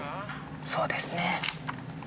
そうですね。